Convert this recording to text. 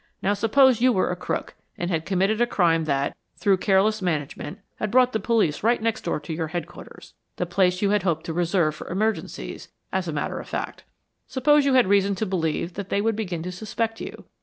Now, suppose you were a crook, and had committed a crime that, through careless management, had brought the police right next door to your headquarters; the place you had hoped to reserve for emergencies, as a matter of fact. Suppose you had reason to believe that they would begin to suspect you.